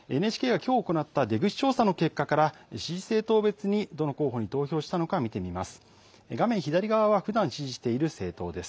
ＮＨＫがきょう行った出口調査の結果から支持政党別にどの候補に投票したのか見てみます。